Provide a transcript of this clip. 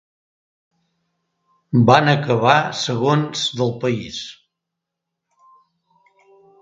Van acabar segons del país.